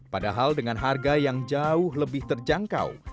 padahal dengan harga yang jauh lebih terjangkau